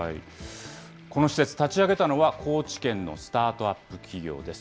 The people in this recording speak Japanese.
この施設、立ち上げたのは、高知県のスタートアップ企業です。